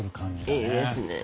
いいですね。